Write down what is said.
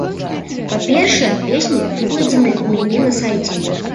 Па-першае, песні выкладзены ў мяне на сайце.